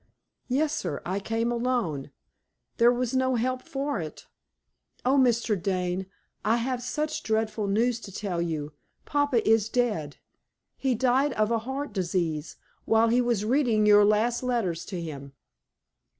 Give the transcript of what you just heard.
"Yes, sir; I came alone. There was no help for it. Oh, Mr. Dane, I have such dreadful news to tell you! Papa is dead; he died of heart disease while he was reading your last letters to him!"